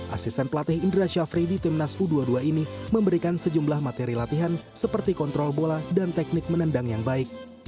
asisten pelatih indra syafri di timnas u dua puluh dua ini memberikan sejumlah materi latihan seperti kontrol bola dan teknik menendang yang baik